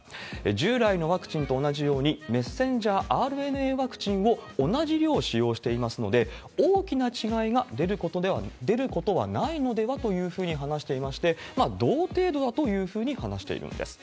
従来のワクチンと同じように、ｍＲＮＡワクチンを同じ量使用していますので、大きな違いが出ることはないのではないかというふうに話していまして、同程度だというふうに話しているんです。